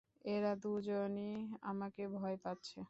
এরা দু জনই আমাকে ভয় পাচ্ছে!